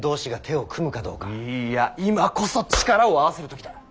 今こそ力を合わせる時だ。